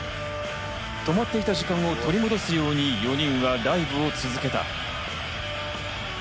止まっていた時間を取り戻すように、４人はライブを続けた。